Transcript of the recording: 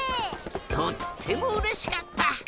とってもうれしかった！